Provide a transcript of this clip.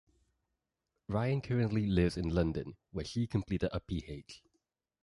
Ryann currently lives in London, where she completed a Ph.